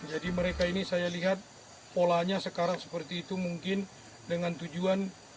jadi mereka ini saya lihat polanya sekarang seperti itu mungkin dengan tujuan